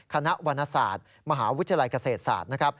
คณะวรรณศาสตร์มหาวิทยาลัยเกษตรศาสตร์นะครับ